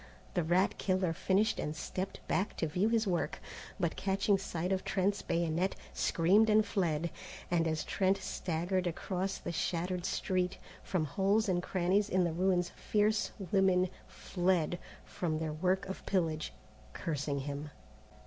The rat killer finished and stepped back to view his work, but catching sight of Trent's bayonet, screamed and fled, and as Trent staggered across the shattered street, from holes and crannies in the ruins fierce women fled from their work of pillage, cursing him.